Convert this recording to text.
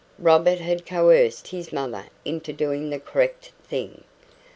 Robert had coerced his mother into doing the correct thing.